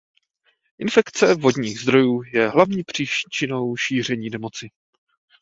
Infekce vodních zdrojů je hlavní příčinou šíření nemoci.